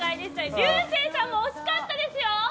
竜星さんも惜しかったですよ。